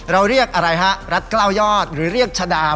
เราเรียกอะไรครับรัดก้าวยอดหรือเรียกชาดา